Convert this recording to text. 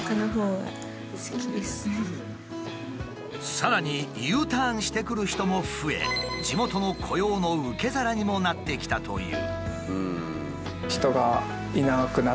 さらにＵターンしてくる人も増え地元の雇用の受け皿にもなってきたという。